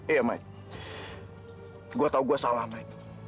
iya mai gue tahu gue salah mai